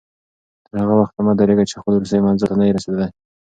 تر هغه وخته مه درېږه چې خپل وروستي منزل ته نه یې رسېدلی.